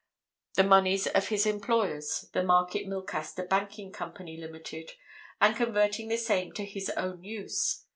the moneys of his employers, the Market Milcaster Banking Company Ltd., and converting the same to his own use.